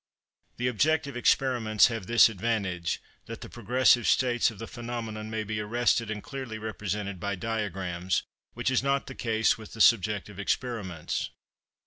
The objective experiments have this advantage that the progressive states of the phenomenon may be arrested and clearly represented by diagrams, which is not the case with the subjective experiments.